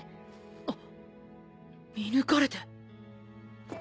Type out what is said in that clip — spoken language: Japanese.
あっ見抜かれて